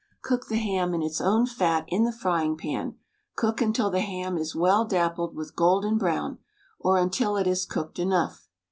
Cook the ham in its own fat in the frying pan — cook until the ham is well dappled with golden brown, or until it is cooked enough.